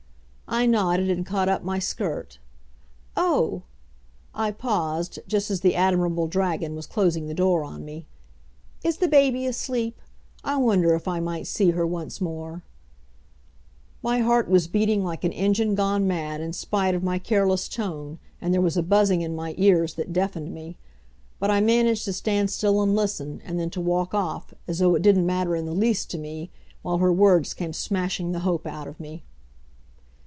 I nodded and caught up my skirt. "Oh!" I paused just as the admirable dragon was closing the door on me. "Is the baby asleep? I wonder if I might see her once more." My heart was beating like an engine gone mad, in spite of my careless tone, and there was a buzzing in my ears that deafened me. But I managed to stand still and listen, and then to walk off, as though it didn't matter in the least to me, while her words came smashing the hope out of me.